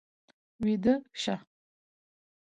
ويده شه.